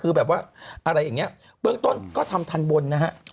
คือแบบว่าอะไรอย่างนี้เบื้องต้นก็ทำทันบนนะฮะ